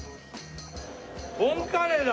ボンカレーだ！